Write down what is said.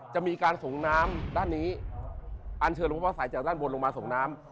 จะมีการส่งน้ำด้านนี้อันเชิญหลวงพ่อสายจากด้านบนลงมาส่งน้ำ